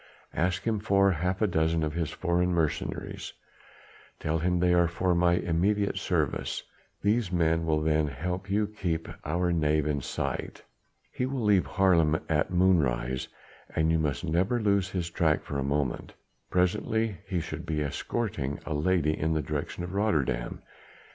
Ask him for half a dozen of his foreign mercenaries; tell him they are for my immediate service. These men will then help you to keep our knave in sight. He will leave Haarlem at moonrise, and you must never lose his track for a moment. Presently he should be escorting a lady in the direction of Rotterdam.